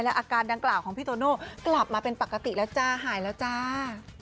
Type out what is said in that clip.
อาการดังกล่าวของพี่โตโน่กลับมาเป็นปกติแล้วจ้าหายแล้วจ้า